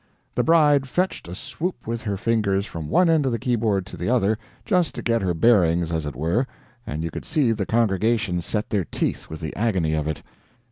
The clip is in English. The bride fetched a swoop with her fingers from one end of the keyboard to the other, just to get her bearings, as it were, and you could see the congregation set their teeth with the agony of it.